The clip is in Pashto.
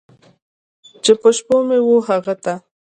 چې په شپو مې و هغه ته!